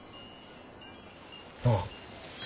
ああ。